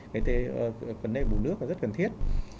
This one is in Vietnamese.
cái vấn đề bù nước là rất cần thiết